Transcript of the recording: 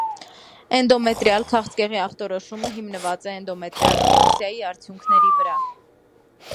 Էնդոմետրիալ քաղցկեղի ախտորոշումը հիմնված է էնդոմետրիալ բիոպսիայի արդյունքների վրա։